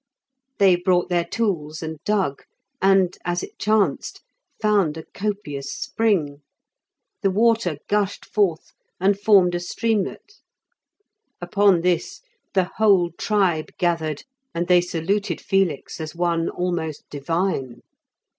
They brought their tools and dug, and, as it chanced, found a copious spring. The water gushed forth and formed a streamlet. Upon this the whole tribe gathered, and they saluted Felix as one almost divine.